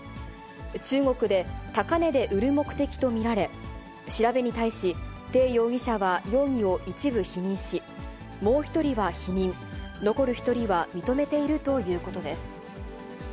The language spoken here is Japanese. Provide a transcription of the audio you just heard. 中国で高値で売る目的と見られ、調べに対し、てい容疑者は容疑を一部否認し、もう１人は否認、残る１人は認めているということです。